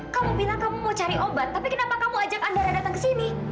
kamu bilang kamu mau cari obat tapi kenapa kamu ajak andara datang kesini